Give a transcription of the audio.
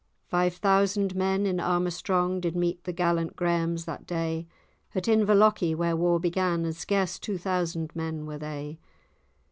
Five thousand men, in armour strong, Did meet the gallant Grahams that day At Inverlochie, where war began, And scarce two thousand men were they.